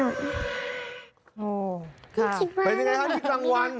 โอ้ค่ะเป็นยังไงครับที่กลางวัน